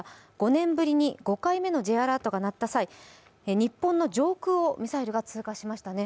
５年ぶりに５回目のＪアラートが鳴った際日本の上空をミサイルが通過しましたね。